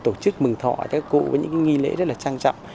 tổ chức mừng thọ các cụ với những nghi lễ rất là trang trọng